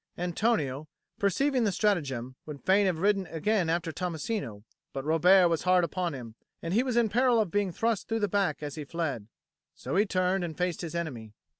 Antonio, perceiving the stratagem, would fain have ridden again after Tommasino; but Robert was hard upon him, and he was in peril of being thrust through the back as he fled. So he turned and faced his enemy.